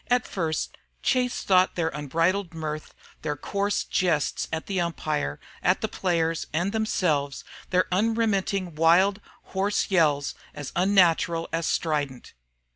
At first Chase thought their unbridled mirth, their coarse jests at the umpire, at the players, and themselves, their unremitting wild, hoarse yells, as unnatural as strident.